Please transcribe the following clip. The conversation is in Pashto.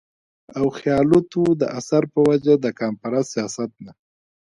او خياالتو د اثر پۀ وجه د قامپرست سياست نه